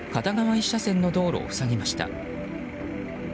１車線の道路を塞ぎました。